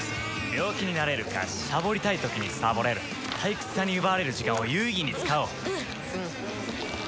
病気になれる菓子サボりたい時にサボれる退屈さに奪われる時間を有意義に使おううっうう